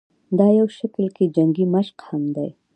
دا يو شکل کښې جنګي مشق هم دے